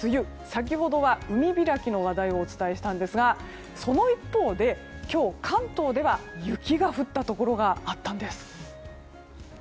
先ほどは海開きの話題をお伝えしたんですがその一方で、今日、関東では雪が降ったところがあったんです。